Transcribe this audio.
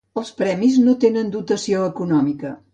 Els premis no tenen dotació econòmica.